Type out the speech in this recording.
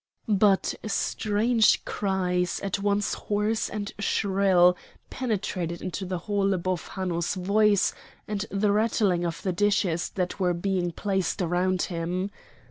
But strange cries at once hoarse and shrill penetrated into the hall above Hanno's voice and the rattling of the dishes that were being placed around him.